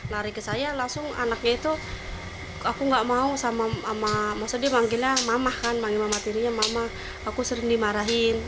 lari ke saya langsung anaknya itu aku gak mau sama maksudnya dia manggilnya mamah kan manggil mama tirinya mama aku sering dimarahin